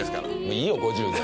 いいよ５０で。